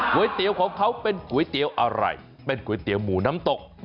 เตี๋ยวของเขาเป็นก๋วยเตี๋ยวอะไรเป็นก๋วยเตี๋ยวหมูน้ำตก